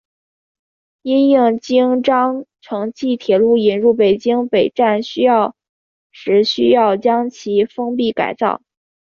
因应京张城际铁路引入北京北站需要时需要将其封闭改造。